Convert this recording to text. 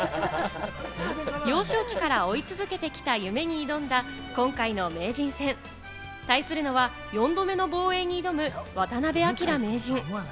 幼少期から追い続けてきた夢に挑んだ今回の名人戦。対するのは４度目の防衛に挑む渡辺明名人。